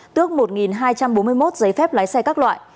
tước một hai trăm bốn mươi một giấy phép lái xe các loại